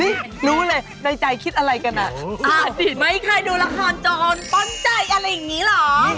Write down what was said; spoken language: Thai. รู้เลยในใจคิดอะไรกันอ่ะไม่เคยดูละครโจรป้นใจอะไรอย่างนี้เหรอ